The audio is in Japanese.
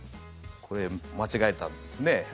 これ、間違えたんですね。